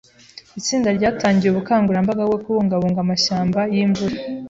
Itsinda ryatangiye ubukangurambaga bwo kubungabunga amashyamba yimvura.